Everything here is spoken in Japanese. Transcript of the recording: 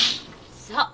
そう。